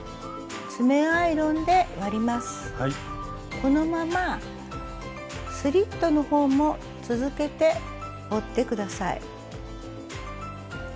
このままスリットの方も続けて折って下さい。